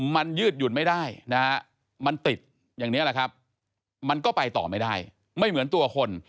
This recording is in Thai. มันยืดหยุ่นไม่ได้นะฮะมันติดอย่างนี้แหละครับมันก็ไปต่อไม่ได้ไม่เหมือนตัวคน